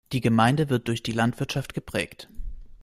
Die Gemeinde wird durch die Landwirtschaft geprägt.